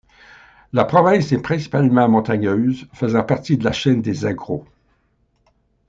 La province est principalement montagneuse, faisant partie de la chaîne des Zagros.